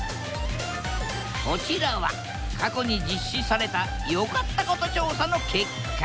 こちらは過去に実施された良かったこと調査の結果。